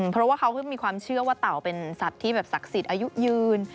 เพราะว่าเขาก็มีความเชื่อว่าเต่าเป็นสัตว์ที่แบบศักดิ์สิทธิ์อายุยืน